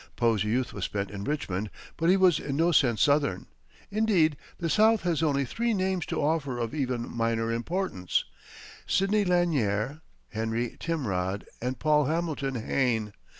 Poe's youth was spent in Richmond, but he was in no sense Southern. Indeed, the South has only three names to offer of even minor importance Sidney Lanier, Henry Timrod, and Paul Hamilton Hayne.